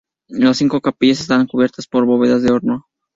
Las cinco capillas están cubiertas por bóvedas de horno.